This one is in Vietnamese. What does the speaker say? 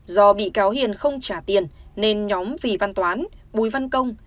do bị cáo hiền không trả tiền nên nhóm vì văn toán bùi văn công